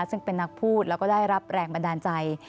ซึ่งเป็นนักพูดแล้วก็ได้รับแรงบันดาลใจ